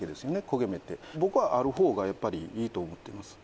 焦げ目って僕はあるほうがやっぱりいいと思ってます